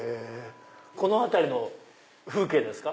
この辺りの風景ですか？